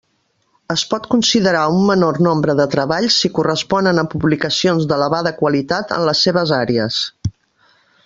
Es pot considerar un menor nombre de treballs si corresponen a publicacions d'elevada qualitat en les seues àrees.